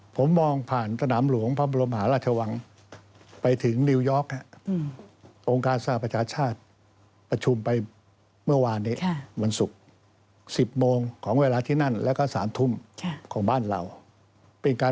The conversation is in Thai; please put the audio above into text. ผมมองผ่านสนามหลวงพระบรมหาราชวังไปถึงนิวยอร์กองค์การสหประชาชาติประชุมไปเมื่อวานนี้วันศุกร์๑๐โมงของเวลาที่นั่นแล้วก็๓ทุ่มของบ้านเราเป็นการ